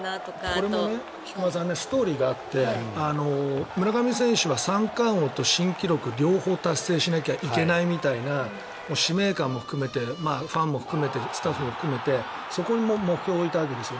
これもストーリーがあって村上選手は三冠王と新記録両方達成しなければいけないみたいな使命感も含めてファンも含めてスタッフも含めてそこに目標を置いたわけです。